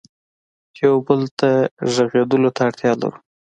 یو بل ته غږېدلو ته اړتیا لرو.